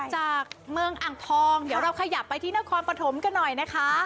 จากเมืองอ่างทองเดี๋ยวเราขยับไปที่นครปฐมกันหน่อยนะคะ